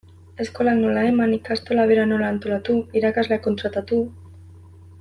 Eskolak nola eman, ikastola bera nola antolatu, irakasleak kontratatu...